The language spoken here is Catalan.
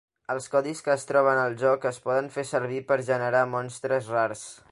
Els codis que es troben al joc es poden fer servir per generar monstres rars.